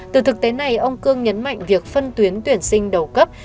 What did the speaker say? từ thực tế này ông cương nhấn mạnh việc phân tuyến tuyển sinh đầu cấp